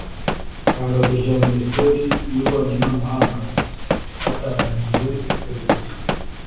Itangazo rya ministeri y'ububanyi n'amahanga batangiye iperereza